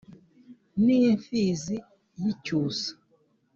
N’imfizi y’icyusa